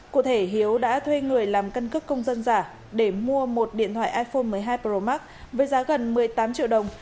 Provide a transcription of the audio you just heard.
cụ thể hiếu đã thuê người làm căn cước công dân giả để mua một điện thoại iphone một mươi hai pro max với giá gần một mươi tám triệu đồng